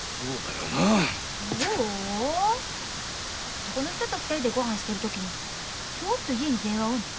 男の人と２人でごはんしてる時に「ちょっと家に電話を」なんて言える？